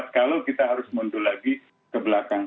kalau kita harus mundur lagi ke belakang